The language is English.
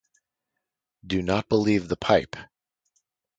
Do not believe the pipe!